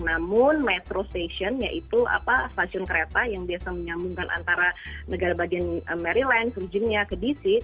namun metro station yaitu stasiun kereta yang biasa menyambungkan antara negara bagian maryland virginia ke disease